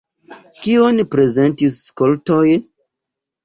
Kion prezentis skoltoj?